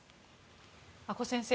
阿古先生